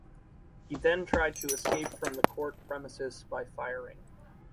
He then tried to escape from the court premises by firing.